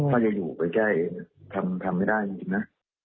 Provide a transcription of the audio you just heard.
ถ้าจะอยู่ใกล้ทำไม่ได้จริงนะ